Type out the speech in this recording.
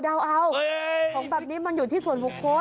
แบบนี้มันอยู่ที่ส่วนบุคคลโอ้โห